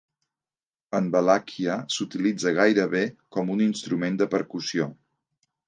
En Valàquia s'utilitza gairebé com un instrument de percussió.